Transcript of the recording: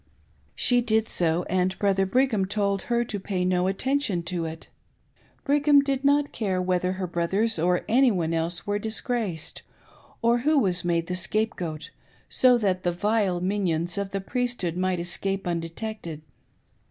She did so, and Brother Brigham told her to'^ay no attention to it. Brigham did not care whether her brothers or any one else were disgraced, or who was made the scapegoat, so that the vile minions of the Priesthood might escape undetected.